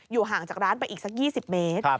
ห่างจากร้านไปอีกสัก๒๐เมตร